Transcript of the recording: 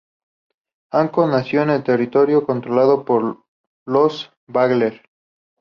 Haakon nació en territorio controlado por los bagler.